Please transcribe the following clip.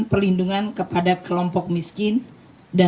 pemerintah juga akan menjaga keamanan dan keamanan keuangan